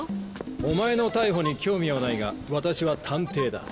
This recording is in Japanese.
お前の逮捕に興味はないが私は探偵だ。